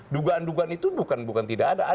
dugaan dugaan itu bukan bukan tidak ada